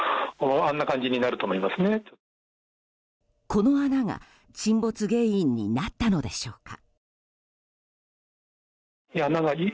この穴が沈没原因になったのでしょうか。